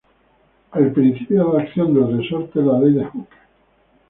El principio de acción del resorte es la Ley de Hooke.